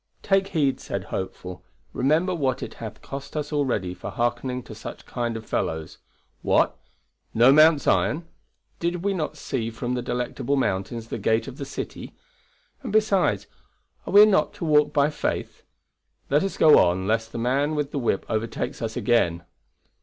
"Take heed," said Hopeful, "remember what it hath cost us already for hearkening to such kind of fellows. What! No Mount Zion! Did we not see from the Delectable Mountains the gate of the City? And, besides, are we not to walk by faith? Let us go on lest the man with the whip overtakes us again."